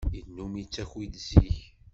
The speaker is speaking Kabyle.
Yennum yettaki-d zik.